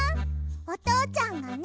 おとうちゃんがね